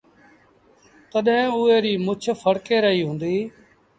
تڏهيݩ اُئي ريٚ مڇ ڦڙڪي رهيٚ هُݩدي۔